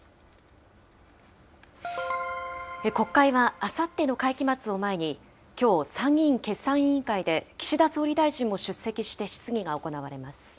国会はあさっての会期末を前に、きょう、参議院決算委員会で岸田総理大臣も出席して質疑が行われます。